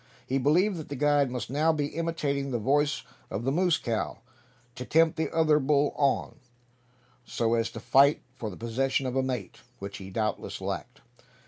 He believed that the guide must now be imitating the voice of the moose cow, to tempt the other bull on so as to fight for the possession of a mate, which he doubtless lacked.